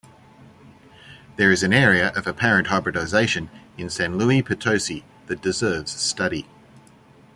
There is an area of apparent hybridization in San Luis Potosi that deserves study.